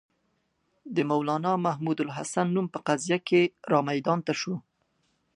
د مولنا محمودالحسن نوم په قضیه کې را میدان ته شو.